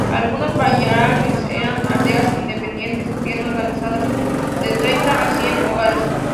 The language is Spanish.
Algunos barangays eran aldeas independientes bien organizadas, de treinta a cien hogares.